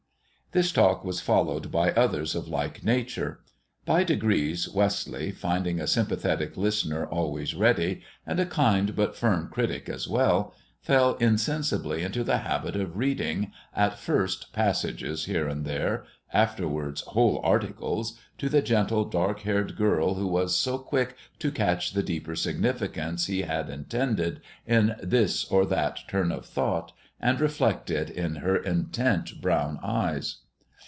This talk was followed by others of like nature. By degrees Wesley, finding a sympathetic listener always ready, and a kind but firm critic as well, fell insensibly into the habit of reading, at first passages here and there, afterward whole articles, to the gentle, dark haired girl who was so quick to catch the deeper significance he had intended in this or that turn of thought and reflect it in her intent brown eyes.